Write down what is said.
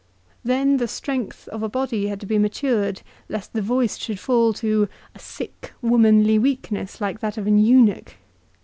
Then the strength of body had to be matured, lest the voice should fall to " a sick, womanly weakness, like that of an eunuch."